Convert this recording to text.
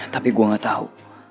tapi gue gatau